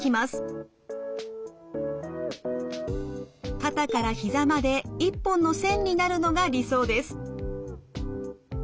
肩からひざまで一本の線になるのが理想です。